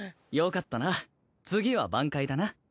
よかったな次は挽回だな。